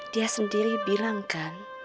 dia sendiri bilangkan